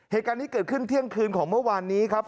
เหตุการณ์นี้เกิดขึ้นเที่ยงคืนของเมื่อวานนี้ครับ